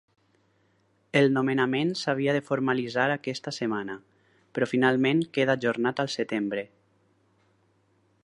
El nomenament s’havia de formalitzar aquesta setmana, però finalment queda ajornat al setembre.